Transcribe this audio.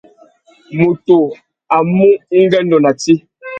Mutu a mú ungüêndô nà tsi.